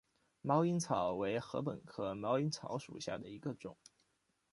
毛颖草为禾本科毛颖草属下的一个种。